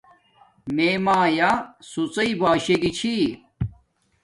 میے مایآ سوڎݵ باشے گی چھِی